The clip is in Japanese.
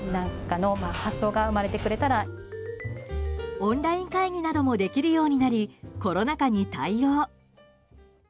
オンライン会議などもできるようになりコロナ禍に対応。